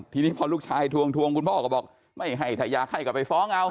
ทีนี้พอลูกชายทวงทวงคุณพ่อก็บอกไม่ให้ถ้าอยากให้ก็ไปฟ้องเอา